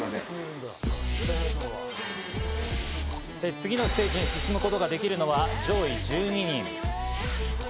次のステージに進むことができるのは上位１２人。